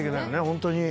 ホントに。